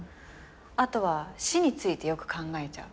あとは死についてよく考えちゃう。